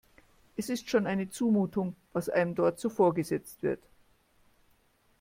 Es ist schon eine Zumutung, was einem dort so vorgesetzt wird.